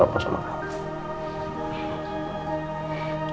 aku masih kangen papa sama kamu